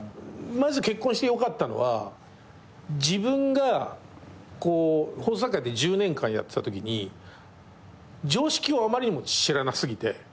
まず結婚してよかったのは自分がこう放送作家で１０年間やってたときに常識をあまりにも知らなすぎて。